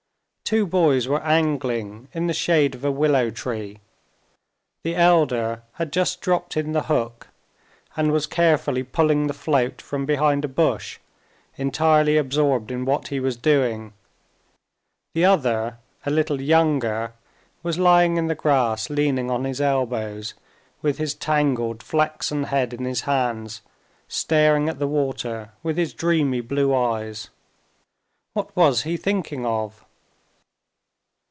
Two boys were angling in the shade of a willow tree. The elder had just dropped in the hook, and was carefully pulling the float from behind a bush, entirely absorbed in what he was doing. The other, a little younger, was lying in the grass leaning on his elbows, with his tangled, flaxen head in his hands, staring at the water with his dreamy blue eyes. What was he thinking of?